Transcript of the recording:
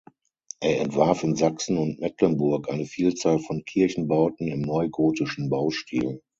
Er entwarf in Sachsen und Mecklenburg eine Vielzahl von Kirchenbauten im neugotischen Baustil.